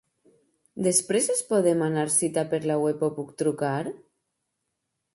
Després es pot demanar cita per la web o puc trucar?